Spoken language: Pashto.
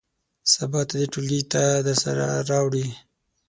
سبا ته دې ټولګي ته درسره راوړي.